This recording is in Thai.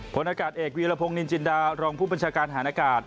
ผลอากาศเอกวีรพงศ์นินจินดารองผู้บัญชาการฐานอากาศ